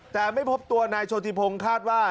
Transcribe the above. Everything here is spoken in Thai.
แต่ไม่พบตัวนายโชติพงศ์คาดว่า